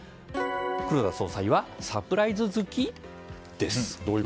黒田総裁はサプライズ好き？です。